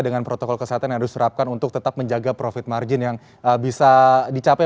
dengan protokol kesehatan yang harus diterapkan untuk tetap menjaga profit margin yang bisa dicapai